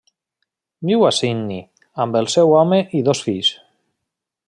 Viu a Sydney amb el seu home i dos fills.